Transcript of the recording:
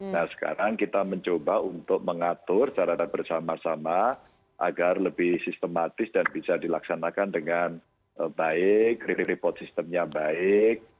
nah sekarang kita mencoba untuk mengatur secara bersama sama agar lebih sistematis dan bisa dilaksanakan dengan baik real report systemnya baik